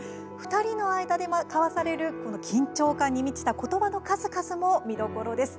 ２人の間で交わされる緊張感に満ちたことばの数々も見どころです。